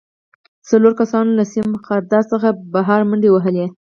څلورو کسانو له سیم خاردار څخه بهر منډې وهلې